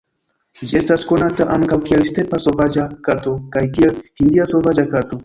Ĝi estas konata ankaŭ kiel "stepa sovaĝa kato" kaj kiel "hindia sovaĝa kato".